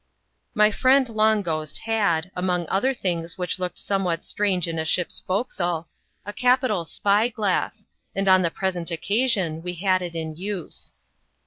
23 My friend Long Ghost had, among other things which looked somewhat strange in a ship's forecastle, a capital spy glass, and on the present occasion we had it in use.